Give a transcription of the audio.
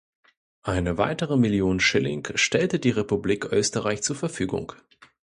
Eine weitere Million Schilling stellte die Republik Österreich zur Verfügung.